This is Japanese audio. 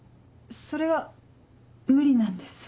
それは無理なんです。